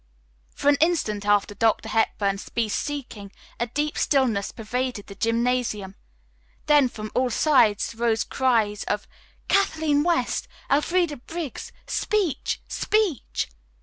For an instant after Dr. Hepburn ceased speaking a deep stillness pervaded the gymnasium, then from all sides rose cries of "Kathleen West! Elfreda Briggs! Speech! speech!"